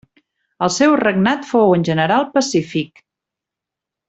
El seu regnat fou en general pacífic.